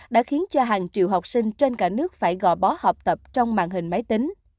đã khiến cho hàng triệu học sinh trên cả nước phải gò bó học tập trong màn hình máy tính